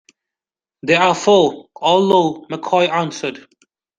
There are four, all low, McCoy answered.